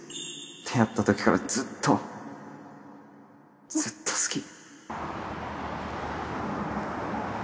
出会ったときからずっとずっと好き